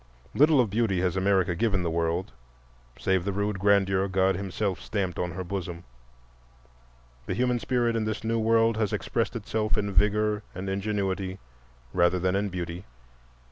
Little of beauty has America given the world save the rude grandeur God himself stamped on her bosom; the human spirit in this new world has expressed itself in vigor and ingenuity rather than in beauty.